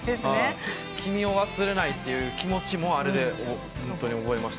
「君を忘れない」って気持ちもあれで覚えましたし。